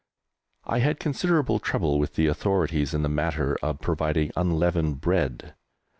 I had considerable trouble with the authorities in the matter of providing unleavened bread.